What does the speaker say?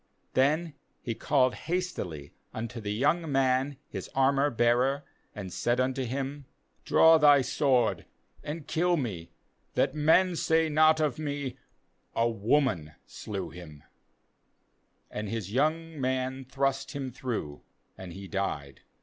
MThen he called hastily unto the young man his armour bearer, and said unto him: Draw thy sword, and kill me, that men say not of me: A woman slew him/ And his young man thrust him through, and he died.